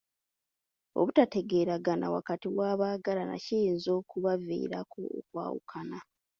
Obutategeeragana wakati w'abaagalana kiyinza okubaviirako okwawukana.